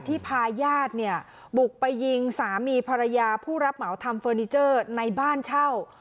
พาญาติเนี่ยบุกไปยิงสามีภรรยาผู้รับเหมาทำเฟอร์นิเจอร์ในบ้านเช่า